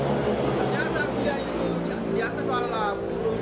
ternyata dia itu yang terlihat di kolam